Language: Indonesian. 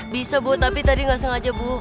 bisa bu tapi tadi nggak sengaja bu